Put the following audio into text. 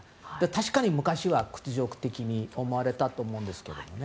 確かに昔は屈辱的に思われたと思うんですけどね。